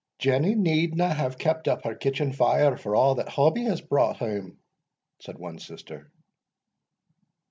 "Jenny needna have kept up her kitchen fire for a' that Hobbie has brought hame," said one sister.